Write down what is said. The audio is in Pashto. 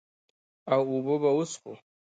او اوبۀ به وڅښو ـ